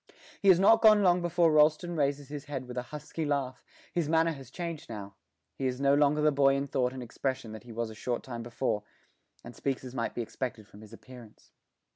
He has not gone long before Rolleston raises his head with a husky laugh: his manner has changed now; he is no longer the boy in thought and expression that he was a short time before, and speaks as might be expected from his appearance.